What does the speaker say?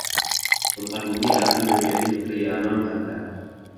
Tempat ini akan menjadi Trianon Anda.